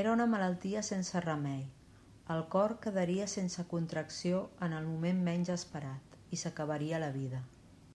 Era una malaltia sense remei; el cor quedaria sense contracció en el moment menys esperat, i s'acabaria la vida.